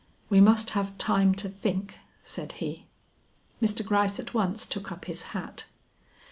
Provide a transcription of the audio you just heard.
"We must have time to think," said he. Mr. Gryce at once took up his hat.